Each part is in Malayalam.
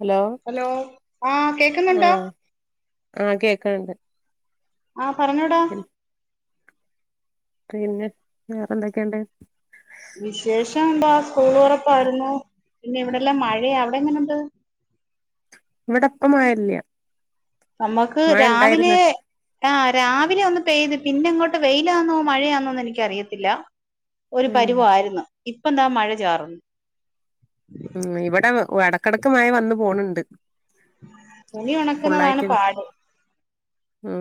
ഹലോ ഹലോ ആഹ് കേക്കുന്നുണ്ടോ ആഹ് ആഹ് കേക്ക്ണ് ണ്ട് ആഹ് മ്മ് പറഞ്ഞോടാ പിന്നെ വേറെ എന്തൊക്കെയുണ്ട് വിശേഷം എന്താ സ്കൂൾ തൊറപ്പായ്രുന്നു പിന്നെ ഇവിടെല്ലാം മഴയ അവിടെ എങ്ങനെ ഉണ്ട് ഇവിടിപ്പം മഴയില്ല നമ്മുക്ക് മഴ ഉണ്ടായിരുന്നു രാവിലെ- ആ രാവിലെ ഒന്ന് പെയ്ത് പിന്നെ അങ്ങോട്ട് വെയിലാന്നോ മഴയാന്നോന്ന് എനിക്ക് അറിയത്തില്ല ഒരു ഉം പരുവം ആയിരുന്നു ഇപ്പൊന്താ മഴ ചാറുന്നു മ്മ് ഇവിടെ- ഓഹ് എടക്കെടയ്ക്ക് മഴ വന്നു പോണണ്ട് തുണി ഉണക്കുന്നതാണ് പാട് മ്മ്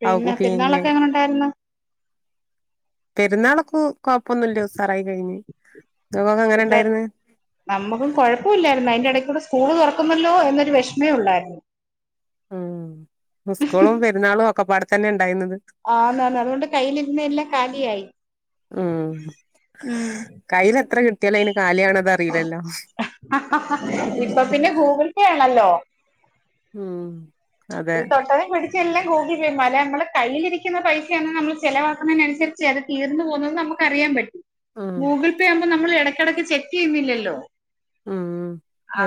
പിന്നെ പെരുന്നാളൊക്കെ എങ്ങനെ ഉണ്ടായിരുന്നു പെരുന്നാളൊക്കൂ കൊഴപ്പൊന്നല്ല ഉസാറായി കഴിഞ്ഞ് നിങ്ങക്കൊക്കെ എങ്ങനെ എന്താ ഇണ്ടായിരുന്ന് സ്കൂൾ തുറക്കുന്നല്ലോ എന്നൊരു വിഷമേ ഉണ്ടായിരുന്നു മ്മ് സ്‌കൂളും പെരുന്നാളും ഒക്കെ- ക്കെ അടുത്ത് തന്നെ ഉണ്ടായിരുന്നത് ആ ന്ന് ന്ന് അതുകൊണ്ട് കയ്യിയിലിരുന്നെയെല്ലാം- കാലിയായി ഉം ഉം കയ്ല് എത്ര കി ഇപ്പൊ പിന്നെ ഗൂഗിൽ പേ അ അല്ലോ ഉം അതെ തൊട്ടേനിം പിടിച്ചേ നെല്ലാം ഗൂഗിൾ പേ, [unintelligible] അല്ല ഇമ്മള് കയ്യിലിരിക്കുന്ന പൈസയാന്ന് നമ്മള് ചിലവാക്കണേനനുസരിച്ച് അത് തീർന്ന് പോവുന്നത് നമുക്ക് അറിയാൻ പറ്റും. ഉം ഗൂഗിൾ പേ ആവുമ്പോ നമ്മള് എട ക്കെടക്ക് ചെക്കെയ്യുന്നില്ലല്ലോ ഉം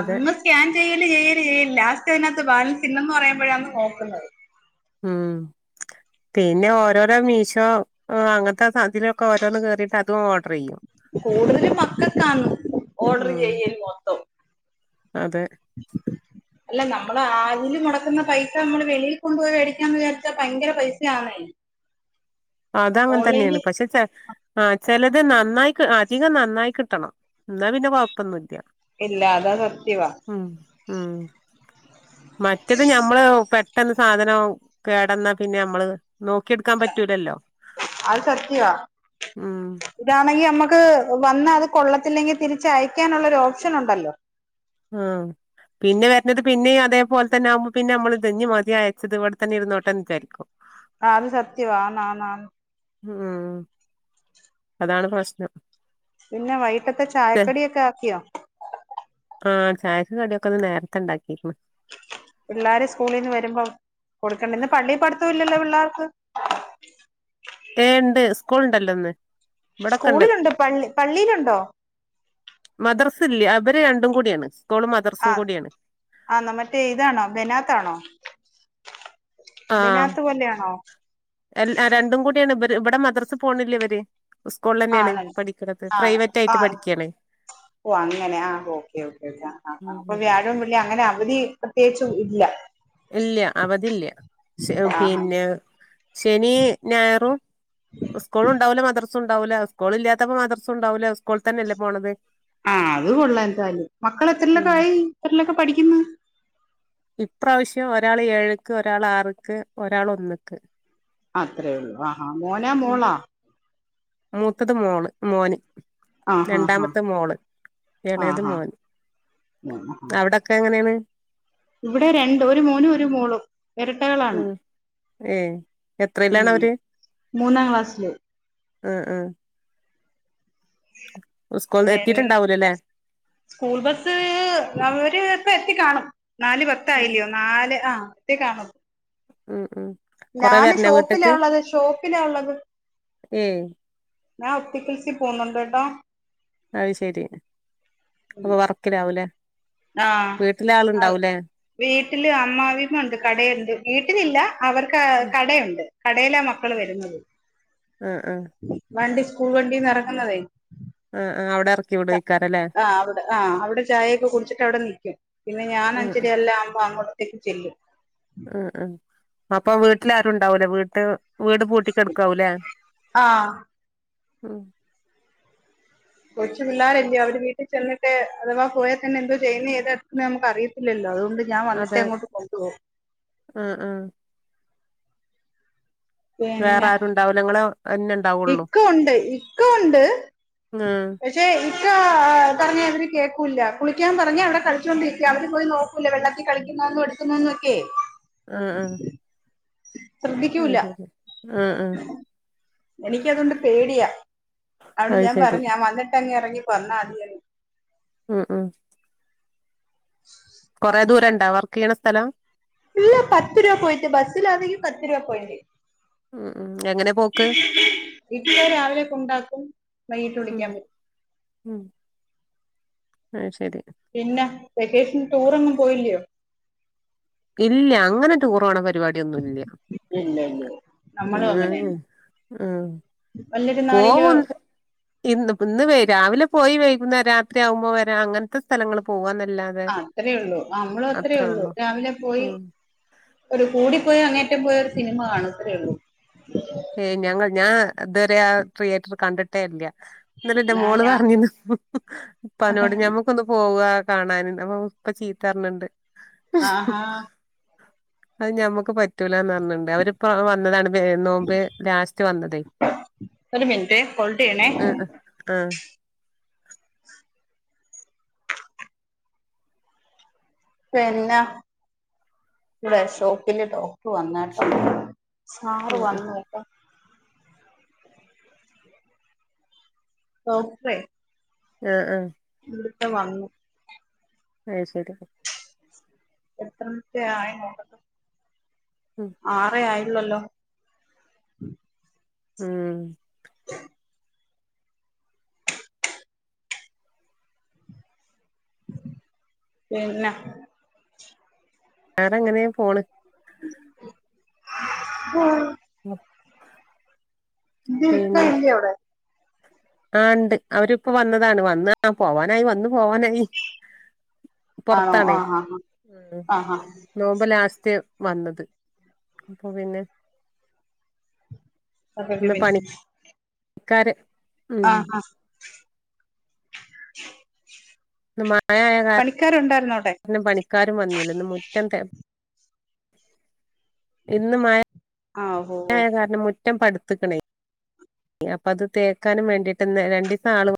അതെ സ്കാൻ ചെയ്യല് ചെയ്യല് ചെയ്യല് ലാസ്റ്റ് അതിനാത്ത് ബാലൻസ് ഇല്ലെന്ന് പറയി ബഴണ് നോക്കുന്നത് ഉം പിന്നെ ഓരോരോ മീഷോ ആഹ് അങ്ങൻത്തെ സാൻത്തിലൊക്കെ ഓരോന്ന് കേറീട്ട് അതും ഓർഡറെയ്യും. കൂടുതല് മക്കൾക്കാണ് ഓഡർ ഉം ചെയ്യല് മൊത്തം അതെ അല്ല ന മ്മള് അതില് മുടക്കുന്ന പൈസ നമ്മള് വെളിയി കൊണ്ടോയി മേടിക്കാന്ന് വിചാരിച്ചാ ഭയങ്കര പൈസ ആണേ. അതങ്ങനെ തന്നെയാണ് പക്ഷെ ചെ ആ ചെലത് നന്നായി അധികം നന്നായി കിട്ടണം, എന്നാ പിന്നെ കൊഴപ്പൊന്നുല്യ. ഇല്ല അതാ സത്യവാ ഉം മറ്റത് ഞമ്മള് പെ പെട്ടെന്ന് സാധനാഉ കേടന്നാ പിന്നെ മ്മള് നോക്കിയെടുക്കാൻ പറ്റൂലല്ലോ അത് സത്യവാ ഉം ഇതാണെങ്കി നമ്മക്ക് വന്നാ അത് കൊള്ളത്തില്ലെങ്കി തിരിച്ച് അയക്കാനുള്ളൊരു ഓപ്ഷൻ ഉണ്ടല്ലോ ആ പിന്നെ വര്ണത് പിന്നെയും അതേപോൽതന്നെ ആവുമ്പോ പിന്നെ നമ്മള് ഇത് ഞ്ഞി മതി അയച്ചത് ഇവട്തന്നെ ഇരുന്നോട്ടെൻ ചാരിക്കും ആ അത് സത്യവാ ആന്ന് ആന്ന് ആന്ന് ഉം അതാണ് പ്രശ്നം പിന്നെ വൈകിട്ടത്തെ ചെ- ചായക്കടിയൊക്കെ ആക്കിയോ? ആ ചായക്ക് കടിയൊക്കെ ഇന്ന് നേരത്തെ ണ്ടാക്കിക്ക്ണ് പിള്ളാര് സ്കൂളിൽ നിന്ന് വരുമ്പോ കൊടുക്കണ്ടേ. ഇന്ന് പള്ളി പട്ത്തം ഇല്ലല്ലോ പിള് ള്ളാർക്ക് ഏ ഇണ്ട് സ്കൂൾ ഇണ്ടല്ലോ ഇന്ന് ഇവിടൊക്കെ ഉണ്ട് സ്കൂളിലുണ്ട് പള്ളി പള്ളിയിലുണ്ടോ? ല്ല അവര് രണ്ടും കൂടിയാണ് സ്കൂളും ആ മദർസും കൂടിയാണ് ആ മറ്റേ ഇതാണോ? ബെനാത്താണോ? ആഹ് ബെനാത്ത് പോലെയാണോ രണ്ടും കൂടിയാണ് ഇവിടെ മദ്രാസ് പോണില്ലേ ഇവര് സ്കൂളിൽ തന്നെയാണ് ആണല് പഠിക്കണത് ആണ് പ്രൈവറ്റ് ആയിട്ട് ആന്ന് പഠിക്കുകയാണ് ഒ അങ്ങനെ ആ ഓക്കെ ഓക്കെ ആഹ് ആഹ് ഉം ആഹ് അപ്പൊ ഉം. വ്യാഴം വെള്ളിം അങ്ങനെ അവധി പ്രത്യേച്ചും ഇല്ല ഇല്ല അവധി ഇല്ല ആ പിന്നെ ശനി ഞയറും സ്കൂളണ്ടാവൂല്ല മാത്രം- സ്കൂൾണ്ടാവൂല്ല സ്കൂളില്ലാത്തപ്പോ മാത്രം സ്കൂൾണ്ടാവൂല്ല ആ അത് കൊള്ളാം എന്തായാലും മക്കള് ഉം. എത്രലെക്കായി എത്രലെക്കെ പഠിക്കിന്ന് ഇപ്രാവശ്യം ഒരാള് ഏഴുക്ക് ഒരാള് ആറ്ക്ക് ഒരാള് ഒന്ന്ക്ക് അത്രയേ ഉള്ളു ആ ഹാ മോനാ ഉം. മോളാ മൂത്തത് മോള് മോന് ആ ഹാ ഹാ രണ്ടാമത്തെ മോള് ആ ഇളയത് ഹാ മോൻ അവിടൊക്കെ എങ്ങനെയാണ് ഇവിടെ രണ്ട് ഒരു മോനും ഒരു മോളും ഇരട്ടകളാണ് ഉം ഏ എത്രയിലാണ് ഉം അവര് മൂന്നാംക്ലാസ്സില് ആഹ് ആഹ് പിന്നെ എത്തിട്ടുണ്ടാവൂലല്ലേ സ്കൂൾ ബസ്സ് അവര് ഇപ്പ എത്തിക്കാണും നാല് പത്തായില്ലിയോ നാല് ആ [unintelligible] കാണും ഉം ഉം കൊറെ ഞാന് വരണോ വീട്ട്ക്ക് ഷോപ്പിലാള്ളത് ഷോപ്പിലാള്ളത് ഏയ് ഞാൻ ഒപ്റ്റിക്കൽസി പോന്നുണ്ട് കേട്ടോ അത് ശരി അപ്പൊ വറക്കിലാവൂലേ ആഹ് വീട്ടില് അമ്മാവിയമ്മണ്ട് കടയുണ്ട് വീട്ടിലില്ല അവർക്ക് കടയുണ്ട്. കടയിലാ മക്കള് വരുന്നത് ആഹ് ആഹ് വണ്ടി സ്കൂൾ വണ്ടീന്നെറങ്ങുന്നതേ ആ ആഹ് അവിടെ എറക്കി അ വിടേക്കാരല്ലേ ആഹ് അവിടെ ആഹ് അവിടെ ചായയൊക്കെ കുടിച്ചിട്ട് അവിടെ നിക്കും പിന്നെ ഞാൻ ആ അഞ്ചര അല്ല ആമ്പാ അ ക്കെ ചെല്ലും ആഹ് ആഹ് അപ്പൊ വീട്ടിൽ ആരുണ്ടാവൂലേ വീട്ട് വീട് പൂട്ടിക്കെടുക്കാവൂലേ ആ ഉം കൊച്ചു പിള്ളാരല്യോ അവര് വീട്ടിൽ ചെന്നിട്ട് അഥവാ പോയ തന്നെ എന്തോ ചെയ്യുന്നെ ഏത് അഡ്മിഷനാന്ന് നമുക്ക് അറിയത്തില്ലല്ലോ അതു ണ്ട് ഞാൻ വന്നിട്ട് അതെ അങ്ങോട്ട് കൊണ്ടു പോകും. ആ ആ വേറെ ആരുണ്ടാവൂല ങ്ങള് ഇക്കുണ്ട് ഇക്കുണ്ട് ആ പക്ഷെ ഇക്കാ പറഞ്ഞാ ഇവര് കേക്കൂല്ല കുളിക്കാൻ പറഞ്ഞാ അവിടെ കളിച്ചോണ്ടിരിക്കാ അവര് പോയി നോക്കൂല്ല വെള്ളത്തി കളിക്കുന്നതന്നും എടുക്കുന്നതന്നും ഒക്കെ. ആഹ് ആഹ് ശ്രദ്ധിക്കൂല്ല ആ ആ എനിക്കതൊണ്ട് പേടിയാ അവിടെ അത് ഞാൻ ശരി പറഞ്ഞു ഞാൻ വന്നിട്ട് അങ്ങ ഇനി പറഞ്ഞ [unintelligible] ഉം ഉം കൊറേ ദൂരം ഇൺ ണ്ടാ വർക്ക് ചെയ്യ്ണ സ്ഥലം? ഇല്ല പത്ത് രൂപ പോയിൻ്റ് ബസ്സില് ആണെങ്കി പത്ത് രൂപ പോയിൻ്റ് ഉം ഉം എങ്ങനെ പോക്ക് ഇക്ക രാവിലെ കൊണ്ടാക്കും വൈകീട്ട് ഉം വിളിക്കാൻ വരും ഉം അത് ശരി പിന്നെ വെക്കേഷന് ടൂറൊന്നും പോയില്യോ? ഇല്ല അങ്ങനെ ടൂറോണെ പ രിപാടിയൊന്നുല്ല ഇല്ല ഇല്ല നമ്മളും ഉം ഉം. നല്ലൊരു നാളില് ഇന്ന്പ്പം ഇന്ന് രാവിലെ പോയി വൈകുന്നേര രാത്രി ആകുമ്പോ വരാ അങ്ങനത്തെ സ്ഥലങ്ങൾ പോകാന്ന അത്രേ ഉള്ളൂ നമ്മളും അത്രേ ഉള്ളൂ രാവിലെ പോയി ഉം ഒരു കൂടിപ്പോയ അങ്ങേ അറ്റം പോയ ഒരു സിനിമ കാണും അത്രേയുള്ളൂ ഏ ഞാൻ ക ഞാൻ ഇതുവരെ ആ തിയേറ്റർ കണ്ടിട്ടേയില്ല ന്നിട്ട് എൻ്റെ എന്നാ മോള് ഞാൻ പറഞ്ഞിനു [unintelligible] ഉപ്പാനോട് ഞമ്മക്കൊന്ന് പോവാ കാണാന് അപ്പം ഉപ്പ ചീത്ത പർഞ്ഞിണ്ട് ആഹാ അത് ഞമ്മക്ക് പറ്റൂ ലാന്നർഞ്ണ്ട് അവര്പ്പം വന്നതാണ് പെര് നോമ്പ് ലാസ്റ്റ് വന്നതേ ഒരു മിനിറ്റ് ഹോൾഡ് ചെയ്യണേ ഉം ഉം ഉം പിന്ന വ ഷോപ്പില് ഡോക്ടർ വന്നാട്ടൊ സാറ് ആഹ് വന്നു ഡോക്ടറെ ആഹ് ആഹ്. [unintelligible] അത് ശരി. എത്രമത്തെ ആയി നോണ്ടത് ഉം ആറേ ആയി ഇന്നല്ലോ ആഹ് പിന്നെ വേറെങ്ങനെ പോണ് [unintelligible] മം [unintelligible] ആഹ് ഉണ്ട് അവരിപ്പൊ വന്നതാണ് വന്ന് പോവാനായി- ആണോ പൊറത്താണ് ആഹ് ആഹ് ആഹ് ആഹ് നോമ്പ് ലാസ്റ്റ് വന്നത് അപ്പൊ പിന്നെ- ഇന്ന് [unintelligible] പണിക്കാര് ഉം ആഹ് ആഹ് [inaudible] ഇന്ന് മഴയായ പണിക്കാരുണ്ടായിരുന്നോ അവിടെ കാരണം പണിക്കാരും വന്നില്ല മുറ്റത്തെ ഇന്ന് മഴ ആഹ് ഓ ഓ റ്റം പടിത്തതിന് അപ്പത് തേക്കാനും വേണ്ടിട്ടു രണ്ടീസം [unintelligible]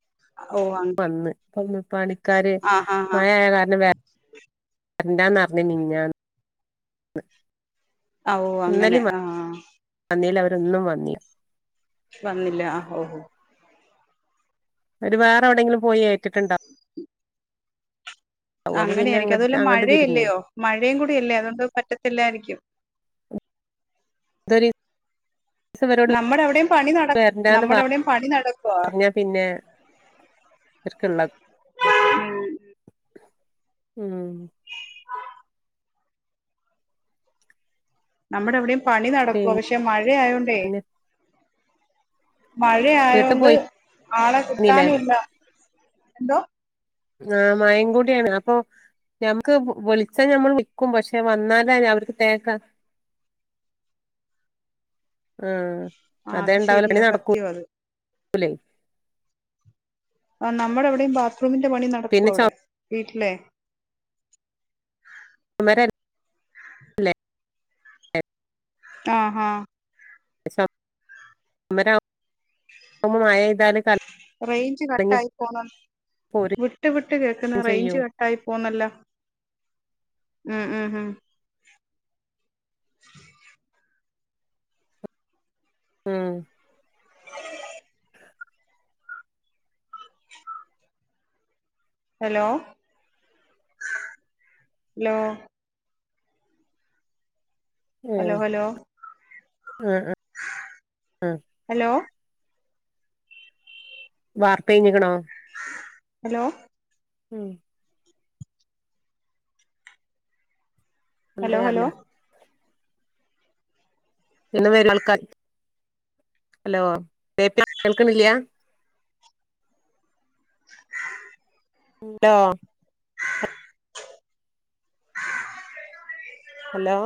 ഓ അങ് അയ്യോ പണിക്ക് - പണിക്കാര് മഴയായ കാരണം- വരണ്ടാന്ന് പറഞ്ഞു മിഞ്ഞാന്ന് [inaudible] ഓ അങ്ങനെ ആഹ് ഇന്നും വന്നിലാ വന്നില്ല ആ ഓഹോ അവര് വേറെ എവടെങ്കിലും പോയി ഏറ്റ്ട്ട്ണ്ടാവും അങ്ങനെയായിരിക്കും അതുപോലെ തിരിഞ്ഞേ മഴയല്ലയോ മഴേകൂടി അല്ലേ അതോണ്ട് പറ്റത്തില്ലായിരിക്കും ദരി നമ്മടെ എവിടേം പണി നട വരണ്ടാന്ന് നമ്മടെ എവിടേം പണി നടക്കുവാ തെരക്ക്ള്ള ഉം ഉം നമ്മടെ വടിം പണി നടക്കോ പിന്നെ പക്ഷെ മഴയായോണ്ടേ വീട്ട് മഴയായോണ്ട് ആളെ പോയിരുന്നില്ലേ കിട്ടാനൂല്ല എന്തോ ആ മഴീം കൂടിയാണ് അപ്പൊ ഞമുക്ക് വു വിളിച്ചാ ഞമ്മൾ നിക്കും പക്ഷേ വന്നാലല്ലേ അവർക്ക് തേക്കാ ആ ആ അത് ശരിയാ സത്യാ അത്. [unintelligible] ആ നമ്മടവിടേം ബാ ത്രൂമിന്റെ പണി പിന്നെ നടക്കുവാ ഇവിടെ. വീട്ടിലേ [unintelligible] ആ ആഹ് [unintelligible] മഴപെയ്താല് ക റേഞ്ച് കട്ടായി പോണു പോരും വിട്ട് വിട്ട് കേക്കുന്ന് ചെയ്യും റേഞ്ച് കട്ടായി പോന്നല്ലോ ഉം ഉം ഉം ഉം ഹലോ ഹലോ ഏ ഹലോ ഹലോ ആ ഉം ഹലോ വാർപ്പ് കയിഞ്ഞിക്കണോ? ഹലോ ഉം എന്താ ഹലോ ഹലോ അറില്ല പിന്നെ വേറെ ആള്ക്കാര് ഹലോ കേൾക്ക്ണില്ലാ [inaudible] ണ്ടോ ഹലോ